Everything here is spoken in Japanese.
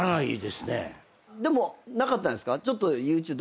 でもなかったんですか？